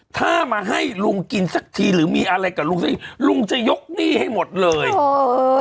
ถ้ามาให้ลุงกินสักทีหรือมีอะไรกับลุงสักทีลุงจะยกหนี้ให้หมดเลยเออ